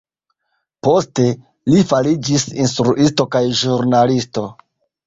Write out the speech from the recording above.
Poste, li fariĝis instruisto kaj ĵurnalisto.